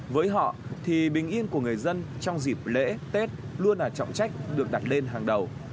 với họ thì bình yên của người dân trong dịp lễ tết luôn là trọng trách được đặt lên hàng đầu